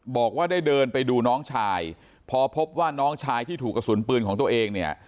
บอกว่าได้เดินไปดูน้องชายพอพบว่าน้องชายที่ถูกกระสุนปืนของตัวเองเนี่ย